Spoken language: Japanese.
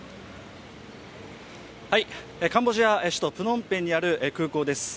カンボジア首都プノンペンにある空港です。